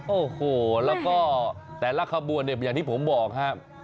โอ้โหแล้วก็แต่ละขบวนเนี่ยอย่างที่ผมบอกครับ